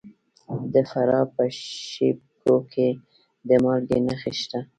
د فراه په شیب کوه کې د مالګې نښې شته.